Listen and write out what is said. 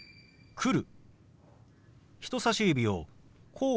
「来る」。